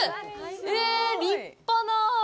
え、立派な。